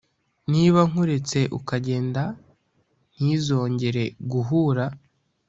niba nkuretse ukagenda ntizongera guhura